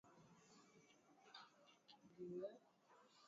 hapakuwa na kitu zaidi ya kusafirisha watu waliobaki